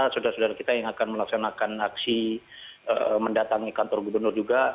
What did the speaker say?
saudara saudara kita yang akan melaksanakan aksi mendatangi kantor gubernur juga